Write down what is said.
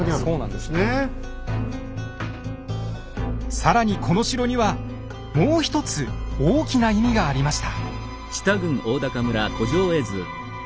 更にこの城にはもう一つ大きな意味がありました。